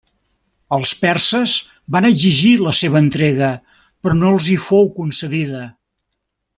Els perses van exigir la seva entrega però no els hi fou concedida.